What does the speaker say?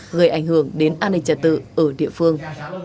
gây ảnh hưởng đến an ninh trả tự ở địa phương